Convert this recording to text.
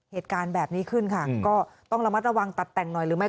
เหตุการณ์แบบนี้ขึ้นค่ะก็ต้องระมัดระวังตัดแต่งหน่อยหรือไม่